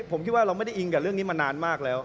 ผมคิดว่าเราไม่ได้อิงกับเรื่องนี้มานานมากแล้ว